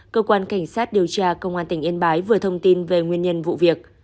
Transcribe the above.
cơ quan cảnh sát điều tra công an tỉnh yên bái vừa thông tin về nguyên nhân vụ việc